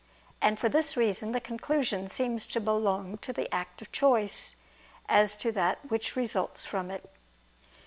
And for this reason the conclusion seems to belong to the act of choice, as to that which results from it.